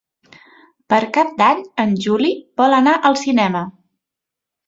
Per Cap d'Any en Juli vol anar al cinema.